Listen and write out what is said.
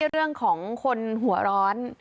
เรื่องของคนหัวร้อน